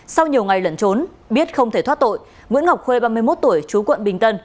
sau nhiều ngày lẩn trốn biết không thể thoát tội nguyễn ngọc khuê ba mươi một tuổi chú quận bình tân